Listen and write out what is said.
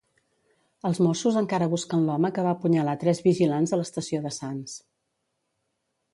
Els Mossos encara busquen l'home que va apunyalar tres vigilants a l'estació de Sants.